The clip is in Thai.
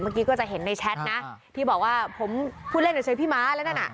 เมื่อกี้ก็จะเห็นในแชทนะที่บอกว่าผมพูดเล่นเฉยพี่ม้าแล้วนั่นน่ะ